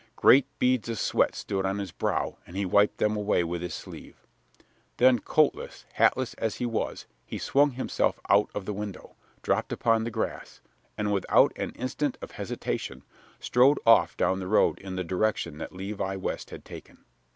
Great beads of sweat stood on his brow and he wiped them away with his sleeve. Then, coatless, hatless as he was, he swung himself out of the window, dropped upon the grass, and, without an instant of hesitation, strode off down the road in the direction that Levi West had taken.